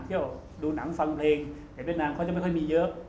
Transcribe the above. ดูหนังฟังเพลงจากเวียดนามเขาจะไม่ค่อยมีเยอะ